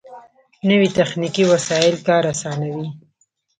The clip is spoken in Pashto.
نوې تخنیکي وسایل کار آسانوي